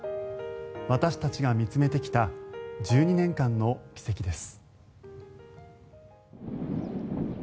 私たちが見つめてきた１２年間の軌跡です。